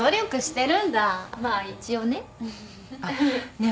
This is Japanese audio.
ねえ。